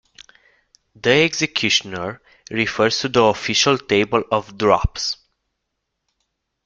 The executioner refers to the Official Table of Drops.